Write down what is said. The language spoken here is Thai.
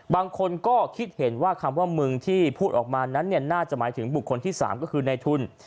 บางคนก็คิดเห็นว่าคำว่ามึงที่พูดออกมานั้นน่าจะหมายถึงบุคคลที่๓ก็คือในทุน